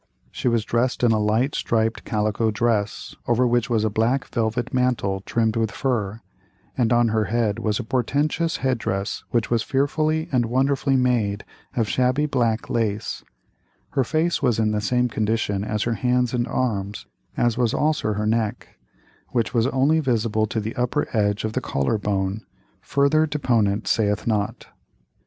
She was dressed in a light striped calico dress, over which was a black velvet mantle trimmed with fur, and on her head was a portentous head dress which was fearfully and wonderfully made of shabby black lace; her face was in the same condition as her hands and arms, as was also her neck, which was only visible to the upper edge of the collar bone—further deponent saith not.